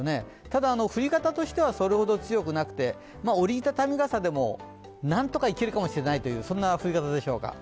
ただ降り方としてはそれほど強くなくて折り畳みでも何とかいけるかもしれないという降り方でしょうか。